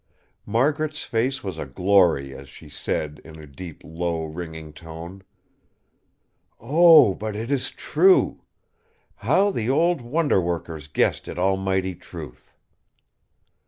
Margaret's face was a glory as she said in a deep, low, ringing tone: "Oh, but it is true. How the old wonder workers guessed at almighty Truth!"